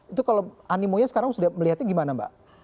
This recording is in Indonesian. itu kalau animonya sekarang sudah melihatnya gimana mbak